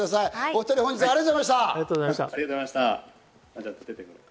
お２人、ありがとうございました。